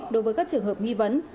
đối với các trường hợp nghi vấn